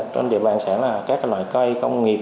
trên địa bàn sẽ là các loại cây công nghiệp